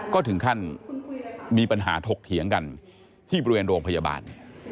ก็ถึงขั้นมีปัญหาถกเถียงกันที่บริเวณโรงพยาบาล